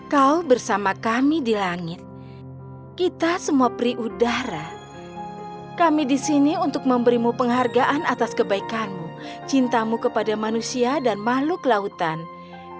kau bersama kami di langit kita semua peri udara kami di sini untuk memberimu penghargaan atas kebaikanmu cintamu kepada manusia dan makhluk lautan